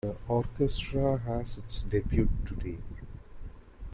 The orchestra has its debut today.